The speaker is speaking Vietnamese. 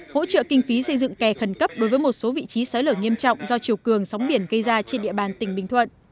hỗ trợ kinh phí xây dựng kè khẩn cấp đối với một số vị trí sói lở nghiêm trọng do chiều cường sóng biển gây ra trên địa bàn tỉnh bình thuận